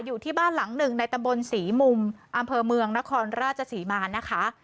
อยู่ที่บ้านหลังหนึ่งในตำบลศรีมุมอำเภอเมืองนครราชศรีมานะคะ